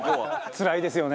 つらいですよね。